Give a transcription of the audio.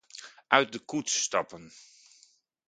Uit de koets stappen.